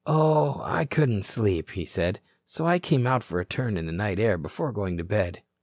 "Oh, I couldn't sleep," he said. "So I came out for a turn in the night air before going to bed."